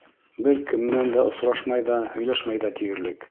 Бер кем менән осрашмай ҙа, һөйләшмәй ҙә тиерлек.